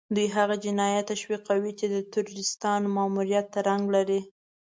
دوی هغه جنايات تشويقوي چې د تروريستانو ماموريت رنګ لري.